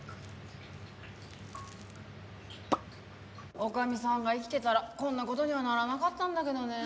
女将さんが生きてたらこんな事にはならなかったんだけどね。